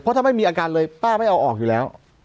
ถ้าไม่มีอาการเลยป้าไม่เอาออกอยู่แล้ว